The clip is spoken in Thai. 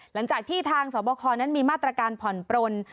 หลังจากที่ทางสวบคนั้นมีมาตรการผ่อนปลน